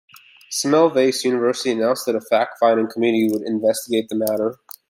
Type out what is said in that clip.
Semmelweis University announced that a fact-finding committee would investigate the matter.